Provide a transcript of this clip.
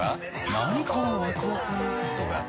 なにこのワクワクとか。